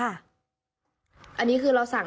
อันนี้คือเราสั่ง